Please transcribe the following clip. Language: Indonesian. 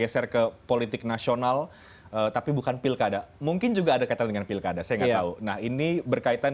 saya tidak tahu nah ini berkaitan